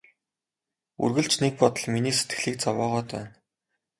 Үргэлж нэг бодол миний сэтгэлийг зовоогоод байна.